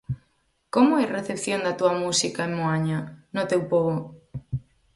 Como é recepción da túa música en Moaña, no teu pobo?